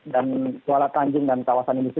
kuala tanjung dan kawasan industri